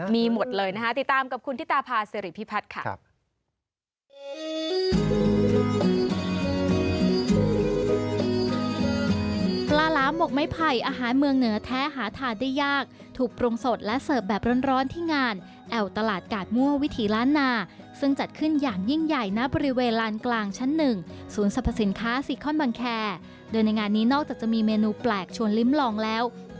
มีหมดเลยนะคะติดตามกับคุณธิตาพาสิริพิพัฒน์ค่ะ